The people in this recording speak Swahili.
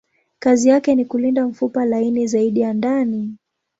Kazi yake ni kulinda mfupa laini zaidi ya ndani.